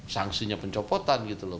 sanksinya pencopotan gitu loh